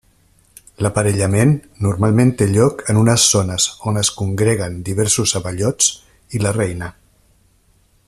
L'aparellament normalment té lloc en unes zones on es congreguen diversos abellots i la reina.